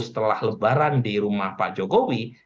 setelah lebaran di rumah pak jokowi